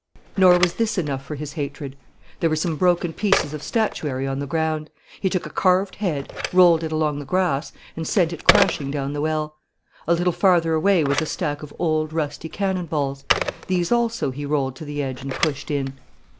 Nor was this enough for his hatred. There were some broken pieces of statuary on the ground. He took a carved head, rolled it along the grass, and sent it crashing down the well. A little farther away was a stack of old, rusty cannon balls. These also he rolled to the edge and pushed in.